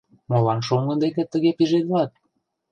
Молан шоҥго деке тыге пижедылат?